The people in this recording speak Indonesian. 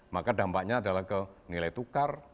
maka dampaknya adalah ke nilai tukar